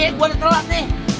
eh gue udah telat nih